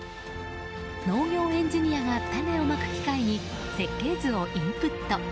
農業エンジニアが種をまく機械に設計図をインプット。